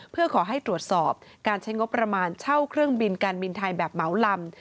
เพื่อขอให้ตรวจสอบการใช้งบประมาณเช่าเครื่องบินการบินไทยแบบเหมาลำ